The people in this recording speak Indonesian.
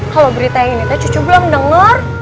kalau berita yang ini teh cucu blong denger